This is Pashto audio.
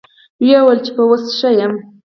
ويې ويل چې يه اوس ښه يمه.